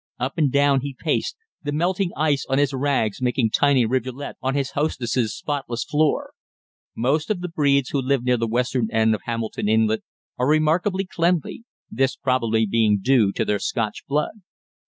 Up and down he paced, the melting ice on his rags making tiny rivulets on his hostess's spotless floor. Most of the breeds who live near the western end of Hamilton Inlet are remarkably cleanly, this probably being due to their Scotch blood.